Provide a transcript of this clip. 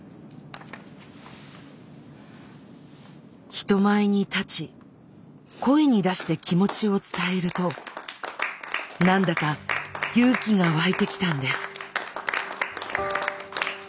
人前に立ち声に出して気持ちを伝えると何だか勇気が湧いてきたんです。